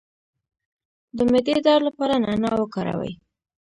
د معدې درد لپاره نعناع وکاروئ